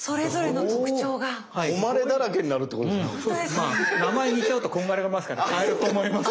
まあ名前似ちゃうとこんがらがりますから変えると思いますけど。